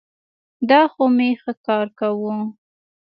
دا خو مي ښه کار کاوه.